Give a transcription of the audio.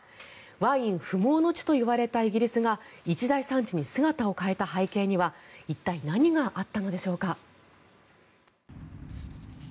ワイン不毛の地といわれたイギリスが一大産地に姿を変えた背景には一体、何があったのでしょうか。